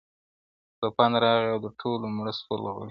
توپان راغی او د ټولو مړه سول غړي -